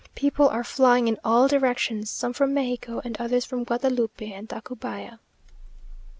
People are flying in all directions, some from Mexico, and others from Guadalupe and Tacubaya....